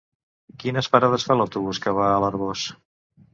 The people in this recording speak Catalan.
Quines parades fa l'autobús que va a l'Arboç?